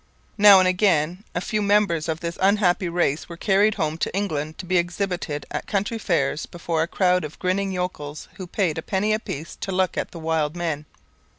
Now and again, a few members of this unhappy race were carried home to England to be exhibited at country fairs before a crowd of grinning yokels who paid a penny apiece to look at the 'wild men.'